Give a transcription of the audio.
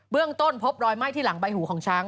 เรื่องต้นพบรอยไหม้ที่หลังใบหูของช้าง